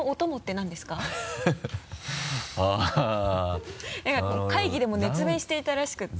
何か会議でも熱弁していたらしくて。